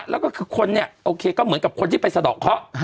แล้วก็คือคนเนี่ยโอเคก็เหมือนกับคนที่ไปสะดอกเคาะ